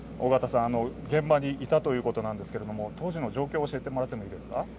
現場にいたということですが、当時の状況を教えてもらってもいいですか。